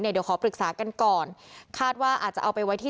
เดี๋ยวขอปรึกษากันก่อนคาดว่าอาจจะเอาไปไว้ที่